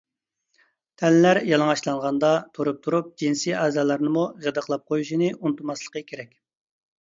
تەنلەر يالىڭاچلانغاندا تۇرۇپ-تۇرۇپ جىنسىي ئەزالارنىمۇ غىدىقلاپ قويۇشنى ئۇنتۇماسلىقى كېرەك.